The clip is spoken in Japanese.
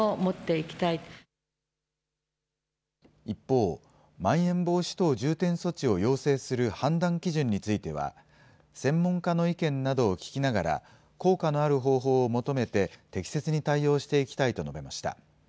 一方、まん延防止等重点措置を要請する判断基準については、専門家の意見などを聞きながら、効果のある方法を求めて適切に対応していきたいと述べました。